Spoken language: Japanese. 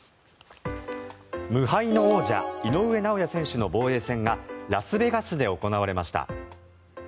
無敗の王者井上尚弥選手の防衛戦がラスベガスで行われました。